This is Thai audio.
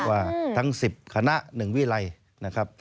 ว่าทั้ง๑๐คณะ๑วิรัยนะครับ